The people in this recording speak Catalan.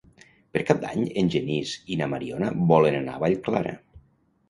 Per Cap d'Any en Genís i na Mariona volen anar a Vallclara.